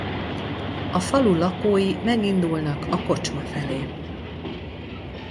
A falu lakói megindulnak a kocsma felé.